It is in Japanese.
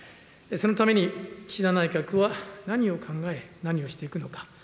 そのために岸田内閣は、何を考え、何をしていくのか。